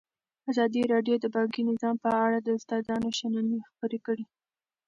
ازادي راډیو د بانکي نظام په اړه د استادانو شننې خپرې کړي.